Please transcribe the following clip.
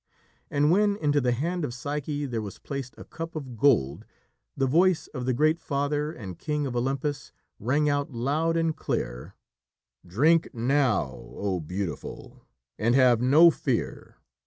And when into the hand of Psyche there was placed a cup of gold, the voice of the great Father and King of Olympus rang out loud and clear: "Drink now, O beautiful, and have no fear!